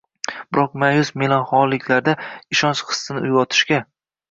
biroq mayus melanxoliklarda ishonch hissini uyg‘onishiga